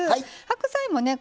白菜もね